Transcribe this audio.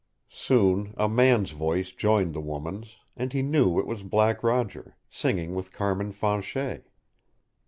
Soon a man's voice joined the woman's, and he knew it was Black Roger, singing with Carmin Fanchet.